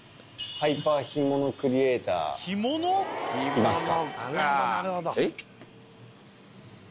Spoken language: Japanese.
いますか？